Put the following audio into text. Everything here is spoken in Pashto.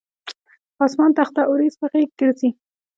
اسمان تخته اوریځ په غیږ ګرځي